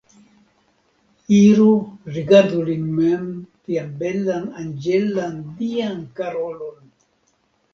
Iru, rigardu lin mem, vian belan, anĝelan, dian Karolon!